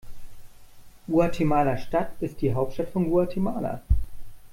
Guatemala-Stadt ist die Hauptstadt von Guatemala.